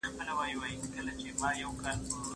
دا کتاب د افغانستان د تاریخ په اړه نوي حقایق بیانوي.